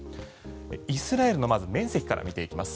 イスラエルの面積からまず見ていきます。